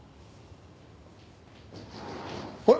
あれ？